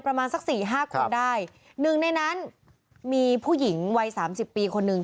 ประมาณสัก๔๕คนได้หนึ่งในนั้นมีผู้หญิงวัย๓๐ปีคนนึง